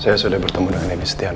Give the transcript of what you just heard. saya sudah bertemu dengan edi setiano